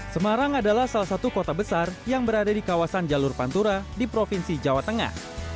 semarang adalah salah satu kota besar yang berada di kawasan jalur pantura di provinsi jawa tengah